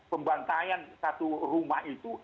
pembantaian satu rumah itu